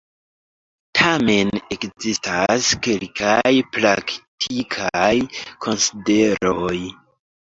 Tamen ekzistas kelkaj praktikaj konsideroj.